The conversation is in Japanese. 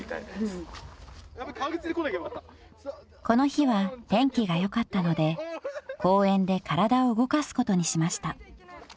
［この日は天気がよかったので公園で体を動かすことにしました］